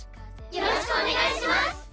よろしくお願いします！